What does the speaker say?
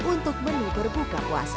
untuk menutur buka puasa